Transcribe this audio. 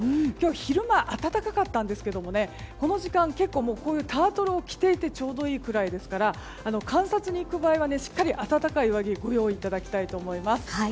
昼間、暖かったんですけどもこの時間はタートルを着ていてちょうどいいくらいですから観察に行く場合は、しっかり暖かい上着をご用意いただきたいと思います。